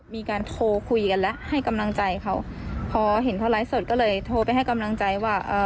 มีการโทรคุยกันแล้วให้กำลังใจเขาพอเห็นเขาไลฟ์สดก็เลยโทรไปให้กำลังใจว่าเอ่อ